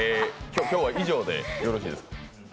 今日は以上で、よろしいですか？